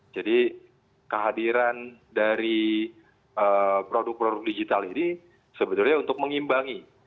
jadi kehadiran dari produk produk digital ini sebenarnya untuk mengimbangi